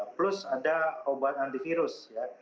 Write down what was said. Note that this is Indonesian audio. plus ada obat antivirus ya